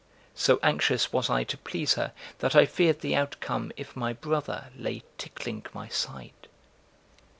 So anxious was I to please her that I feared the outcome if my "brother" lay tickling my side.